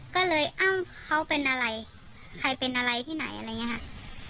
ก็เลยเอ้าเขาเป็นอะไรใครเป็นอะไรที่ไหนอะไรอย่างนี้ค่ะ